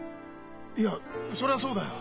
いやそりゃそうだよ。